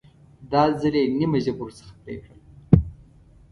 دا ځل یې نیمه ژبه ورڅخه پرې کړه.